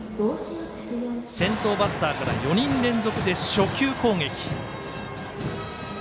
先頭バッターから４人連続で初球攻撃。